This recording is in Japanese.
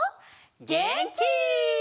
げんき！